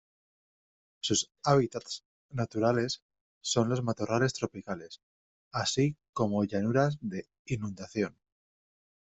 Sus hábitats naturales son los matorrales tropicales así como llanuras de inundación.